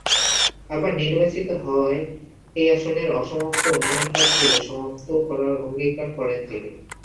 আবার নির্বাচিত হওয়ায় এই আসনের অসমাপ্ত উন্নয়নকাজগুলো সমাপ্ত করার অঙ্গীকার করেন তিনি।